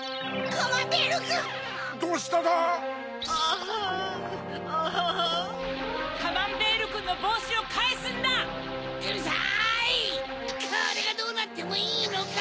これがどうなってもいいのか？